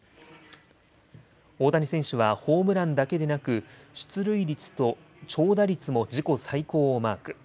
大谷選手はホームランだけでなく出塁率と長打率も自己最高をマーク。